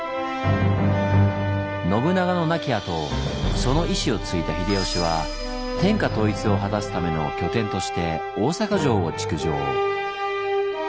信長の亡き後その遺志を継いだ秀吉は天下統一を果たすための拠点として大坂城を築城。